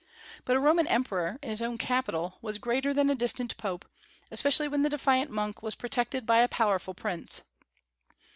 But a Roman emperor, in his own capital, was greater than a distant Pope, especially when the defiant monk was protected by a powerful prince.